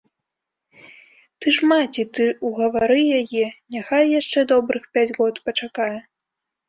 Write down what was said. Ты ж маці, ты ўгавары яе, няхай яшчэ добрых пяць год пачакае.